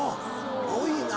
多いな